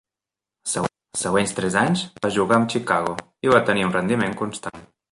Els següents tres anys va jugar amb Chicago i va tenir un rendiment constant.